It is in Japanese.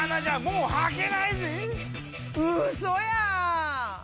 うそや！